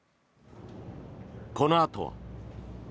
このあとは。